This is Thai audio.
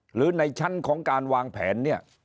หรือในชั้นของการวางแผน